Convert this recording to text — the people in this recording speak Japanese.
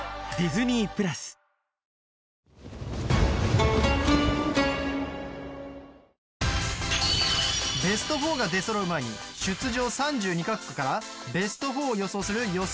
どん兵衛ベスト４が出揃う前に出場３２カ国からベスト４を予想する予想